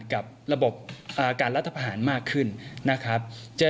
กับระบบการรัฐประหารมากขึ้นนะครับ